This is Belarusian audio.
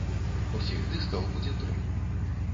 Усіх дыскаў будзе тры.